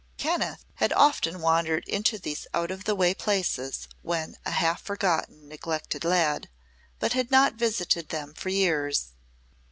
Kenneth had often wandered into these out of the way places when a half forgotten, neglected lad, but had not visited them for years.